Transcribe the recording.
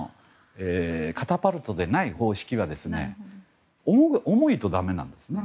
カタパルトでない方式は重いとダメなんですよね。